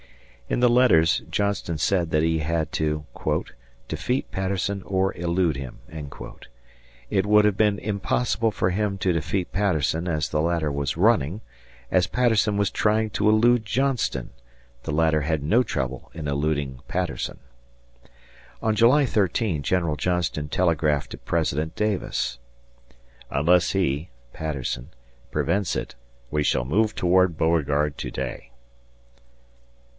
In the letters Johnston said that he had to "defeat Patterson or elude him." It would have been impossible for him to defeat Patterson as the latter was running; as Patterson was trying to elude Johnston, the latter had no trouble in eluding Patterson. On July 13 General Johnston telegraphed to President Davis: "Unless he (Patterson) prevents it, we shall move toward Beauregard to day."